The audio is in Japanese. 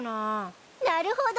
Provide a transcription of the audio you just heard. なるほど！